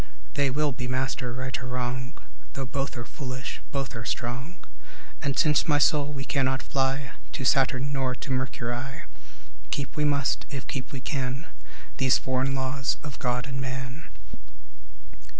They will be master, right or wrong; Though both are foolish, both are strong. And since, my soul, we cannot fly To Saturn nor to Mercury, Keep we must, if keep we can, These foreign laws of God and man.